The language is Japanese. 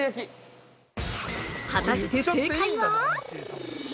◆果たして正解は？